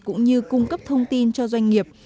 cũng như cung cấp thông tin cho doanh nghiệp